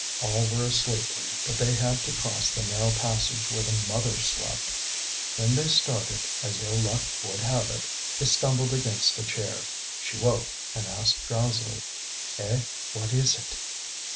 All were asleep, but they had to cross the narrow passage where the mother slept. When they started, as ill luck would have it, they stumbled against a chair. She woke and asked drowsily: "Eh! what is it?"